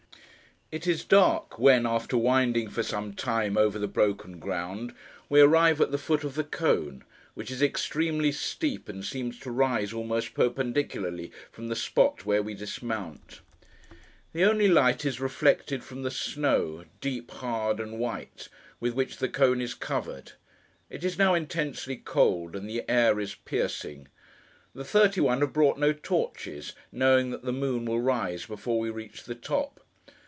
It is dark, when after winding, for some time, over the broken ground, we arrive at the foot of the cone: which is extremely steep, and seems to rise, almost perpendicularly, from the spot where we dismount. The only light is reflected from the snow, deep, hard, and white, with which the cone is covered. It is now intensely cold, and the air is piercing. The thirty one have brought no torches, knowing that the moon will rise before we reach the top.